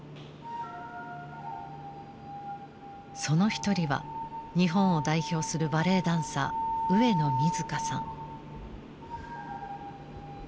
その一人は日本を代表するバレエダンサー上野水香さん。